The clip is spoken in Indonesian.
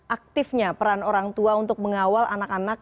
aktifnya peran orang tua untuk mengawal anak anak